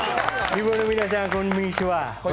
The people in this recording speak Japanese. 日本の皆さん、こんにちは。